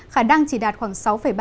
khả năng chỉ đạt khoảng sáu ba sáu năm